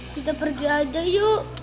kita pergi aja yuk